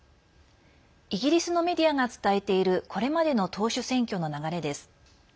イギリスのメディアが伝えているこれまでの党首選挙の流れです。